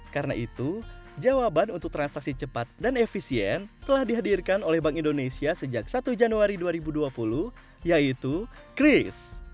karena itu jawaban untuk transaksi cepat dan efisien telah dihadirkan oleh bank indonesia sejak satu januari dua ribu dua puluh yaitu cris